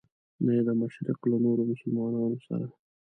نه یې د مشرق له نورو مسلمانانو سره.